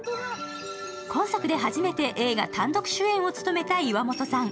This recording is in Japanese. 今作で初めて映画単独主演を務めた岩本さん。